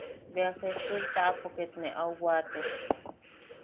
Bea sejtul taʼapo ket ne au waate.